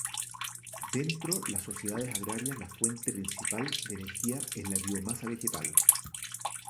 Dentro las sociedades agrarias la fuente principal de energía es la biomasa vegetal.